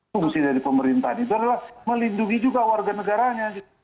fungsi dari pemerintahan itu adalah melindungi juga warga negaranya